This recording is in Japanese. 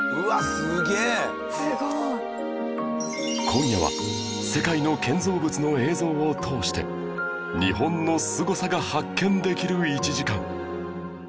今夜は世界の建造物の映像を通して日本のすごさが発見できる１時間